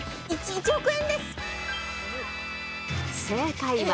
正解は？